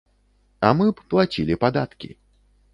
А мы б плацілі падаткі.